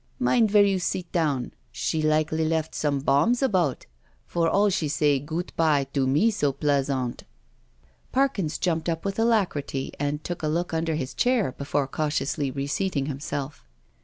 Mind vere you sit down — she likely left some bombs about^ for all she say goot bye to me so bleasant." Parkins jumped up with alacrity and took a look under his chair before cautiously reseating himself.